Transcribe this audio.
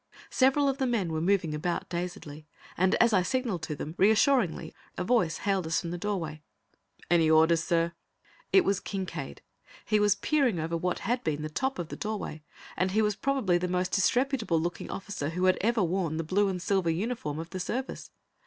Several of the men were moving about, dazedly, and as I signalled to them, reassuringly, a voice hailed us from the doorway: "Any orders, sir?" It was Kincaide. He was peering over what had been the top of the doorway, and he was probably the most disreputable looking officer who had ever worn the blue and silver uniform of the Service.